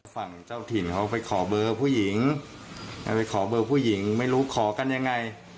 ฝั่งเจ้าถิ่นเขาไปขอเบอร์ผู้หญิงเอาไปขอเบอร์ผู้หญิงไม่รู้ขอกันยังไง